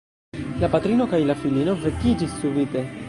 La patrino kaj la filino vekiĝis subite.